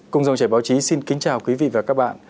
cùng dòng chảy báo chí xin kính chào quý vị và các bạn